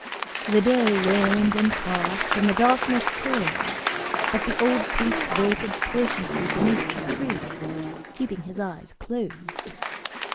The day waned and passed, and the darkness came; but the old priest waited patiently beneath a tree, keeping his eyes closed.